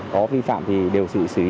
có vi phạm thì đều xử lý